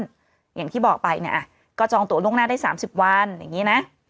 อย่างที่บอกไปก็จองตัวล่วงหน้าได้๓๐วัน